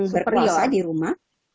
berkuasa di rumah